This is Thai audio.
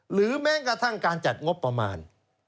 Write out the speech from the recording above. หรือแม้กระทั่งการจัดงบประมาณ